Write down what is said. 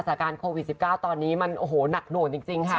สถานการณ์โควิด๑๙ตอนนี้มันหนักโดนจริงค่ะ